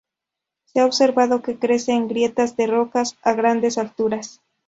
Se ha observado que crece en grietas de rocas a grandes alturas.